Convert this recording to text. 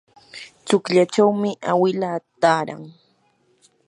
tsukllachawmi awilaa taaran.